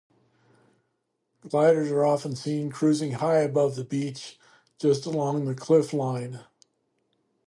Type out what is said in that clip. Gliders are often seen cruising high above the beach, just along the cliff line.